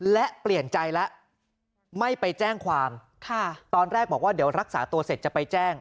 และเปลี่ยนใจแล้วไม่ไปแจ้งความตอนแรกบอกว่าเดี๋ยวรักษาตัวเสร็จจะไปแจ้ง